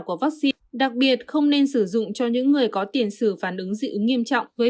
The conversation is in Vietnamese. của vaccine đặc biệt không nên sử dụng cho những người có tiền xử phản ứng dị ứng nghiêm trọng gây